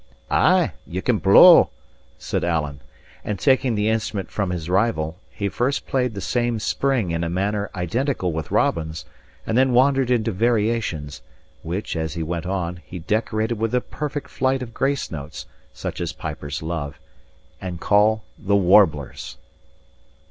"Ay, ye can blow" said Alan; and taking the instrument from his rival, he first played the same spring in a manner identical with Robin's; and then wandered into variations, which, as he went on, he decorated with a perfect flight of grace notes, such as pipers love, and call the "warblers."